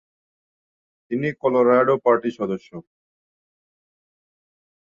তিনি কলোরাডো পার্টির সদস্য।